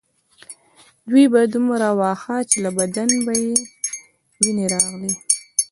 دوی به دومره واهه چې له بدن به یې وینې راغلې